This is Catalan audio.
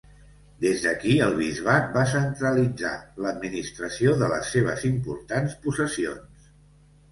Des d'aquí, el bisbat va centralitzar l'administració de les seves importants possessions.